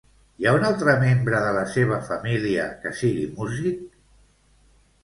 Hi ha un altre membre de la seva família que sigui músic?